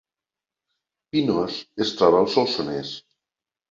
Pinós es troba al Solsonès